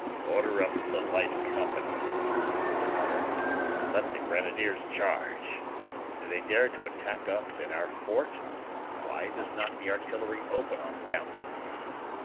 "Order up the light companies," he muttered, "and let the grenadiers charge! Do they dare to attack us in our fort? Why does not the artillery open on them?"